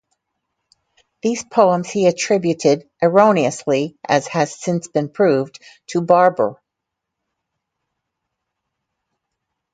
These poems he attributed, erroneously, as has since been proved, to Barbour.